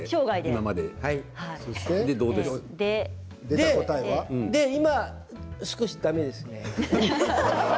それで今、少しだめですね。